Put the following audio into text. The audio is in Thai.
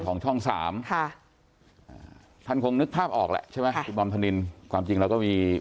ของช่องสามค่ะท่านคงนึกภาพออกแหละใช่ไหมคุณบอมธนินความจริงเราก็มี